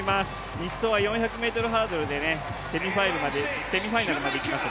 １走は４００ｍでセミファイナルまできました